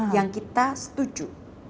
yang kita setuju